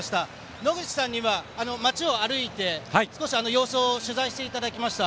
野口さんには街を歩いて様子を取材していただきました。